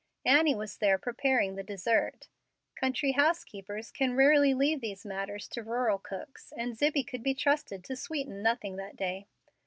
Annie was there preparing the dessert. Country house keepers can rarely leave these matters to rural cooks, and Zibbie could be trusted to sweeten nothing that day.